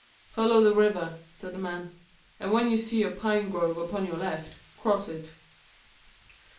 "Follow the river," said the man, "and when you see a pine grove upon your left, cross it."